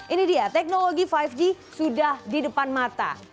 ini dia teknologi lima g sudah di depan mata